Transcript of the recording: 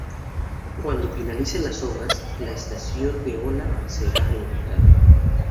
Cuando finalicen las obras, la estación de Ola será reubicada.